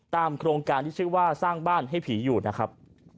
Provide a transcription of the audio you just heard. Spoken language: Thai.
โครงการที่ชื่อว่าสร้างบ้านให้ผีอยู่นะครับ